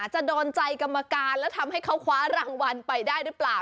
จะโดนใจกรรมการแล้วทำให้เขาคว้ารางวัลไปได้หรือเปล่า